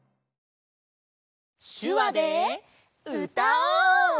しゅわでうたおう！